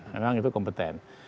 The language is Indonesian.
memang itu kompeten